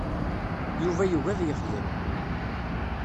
Yuba yugi ad yexdem.